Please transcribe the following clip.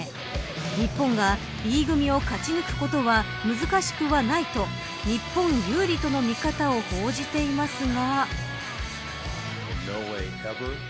日本がＢ組を勝ち抜くことは難しくはないと日本有利との見方を報じていますが。